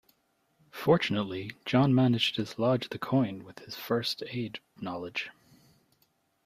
Fortunately, John managed to dislodge the coin with his first aid knowledge.